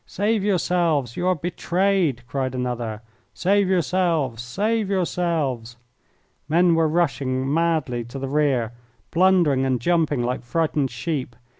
Save yourselves! You are betrayed!" cried another. "Save yourselves! Save yourselves!" Men were rushing madly to the rear, blundering and jumping like frightened sheep.